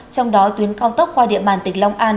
trong đó tuyến cao tốc qua địa bàn tỉnh long an